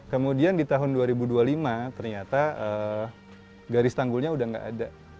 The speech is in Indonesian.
kemudian di tahun dua ribu dua puluh lima ternyata garis tanggulnya udah nggak ada